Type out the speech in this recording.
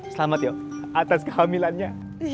selamat yuk atas kehamilannya